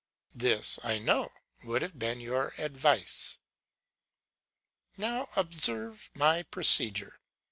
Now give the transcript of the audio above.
This, I know, would have been your advice. 'Now observe my procedure.